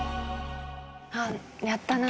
あっやったな。